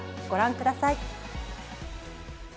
ご覧ください。